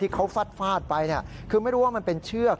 เขาฟาดไปคือไม่รู้ว่ามันเป็นเชือก